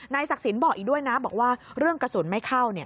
ศักดิ์สินบอกอีกด้วยนะบอกว่าเรื่องกระสุนไม่เข้า